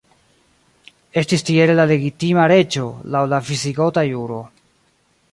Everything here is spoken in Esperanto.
Estis tiele la legitima reĝo, laŭ la visigota juro.